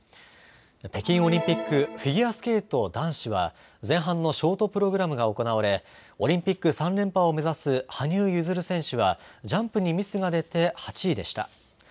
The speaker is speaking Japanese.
北京オリンピックフィギュアスケート男子は前半のショートプログラムが行われオリンピック３連覇を目指す羽生結弦選手はジャンプにミスが出て８位でした。